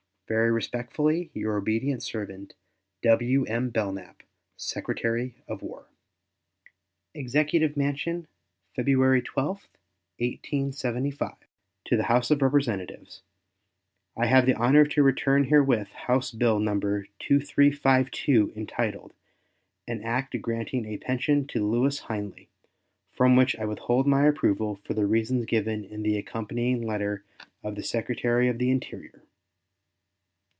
Very respectfully, your obedient servant, WM. W. BELKNAP, Secretary of War. EXECUTIVE MANSION, February 12, 1875. To the House of Representatives: I have the honor to return herewith House bill No. 2352, entitled "An act granting a pension to Lewis Hinely," from which I withhold my approval for the reasons given in the accompanying letter of the Secretary of the Interior.